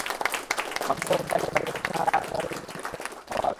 মামলার পরবর্তী তারিখে বাদীকে পুলিশ পাহারায় আদালতে গিয়ে সাক্ষ্য দিতে বলা হয়েছে।